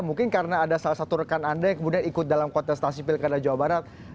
mungkin karena ada salah satu rekan anda yang kemudian ikut dalam kontestasi pilkada jawa barat